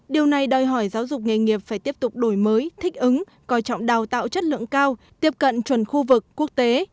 điều này đòi hỏi giáo dục nghề nghiệp phải tiếp tục đổi mới thích ứng coi trọng đào tạo chất lượng cao tiếp cận chuẩn khu vực quốc tế